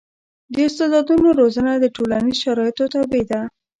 د استعدادونو روزنه د ټولنیزو شرایطو تابع ده.